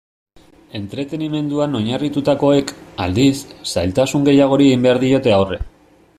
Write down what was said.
Entretenimenduan oinarritutakoek, aldiz, zailtasun gehiagori egin behar diote aurre.